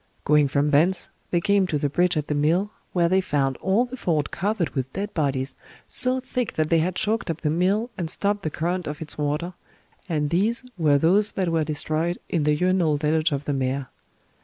Going from thence, they came to the bridge at the mill, where they found all the ford covered with dead bodies, so thick that they had choked up the mill and stopped the current of its water, and these were those that were destroyed in the urinal deluge of the mare.